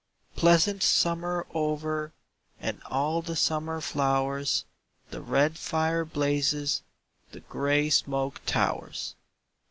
Pleasant summer over And all the summer flowers, The red fire blazes, The grey smoke towers.